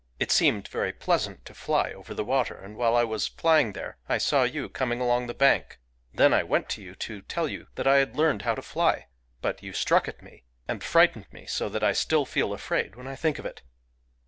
It seemed very pleasant to fly over the water; and while I was flying there I saw you coming along the bank. Then I went to you to tell you that I had learned how to fly ; but you struck at me, and frightened me so that I still feel afraid when I think of it.